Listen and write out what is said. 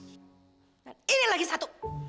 ini lagi satu